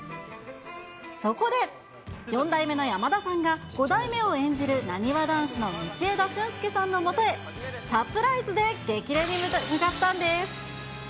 そこで、４代目の山田さんが、５代目を演じるなにわ男子の道枝駿佑さんのもとへサプライズで激励に向かったんです。